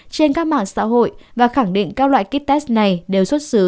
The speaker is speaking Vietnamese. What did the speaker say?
trên các mạng xã hội và khẳng định các loại kết test này đều xuất xứ